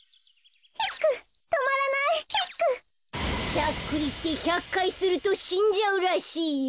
しゃっくりって１００かいするとしんじゃうらしいよ。